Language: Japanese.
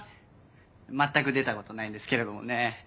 全く出たことないんですけれどもね。